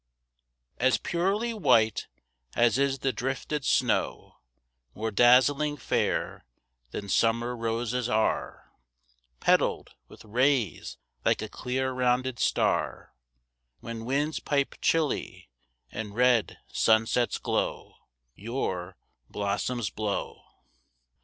As purely white as is the drifted snow, More dazzling fair than summer roses are, Petalled with rays like a clear rounded star, When winds pipe chilly, and red sunsets glow, Your blossoms blow.